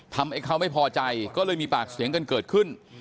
ทำให้เขาไม่พอใจก็เลยมีปากเสียงกันเกิดขึ้น